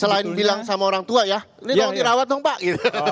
selain bilang sama orang tua ya ini tolong dirawat dong pak